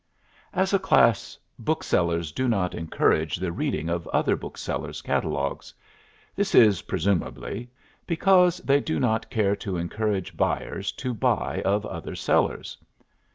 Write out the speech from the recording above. As a class booksellers do not encourage the reading of other booksellers' catalogues; this is, presumably, because they do not care to encourage buyers to buy of other sellers.